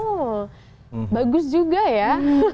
oh bagus juga ya